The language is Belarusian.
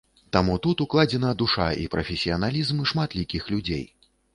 Таму тут укладзена душа і прафесіяналізм шматлікіх людзей.